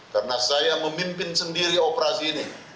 karena saya memimpin sendiri operasi ini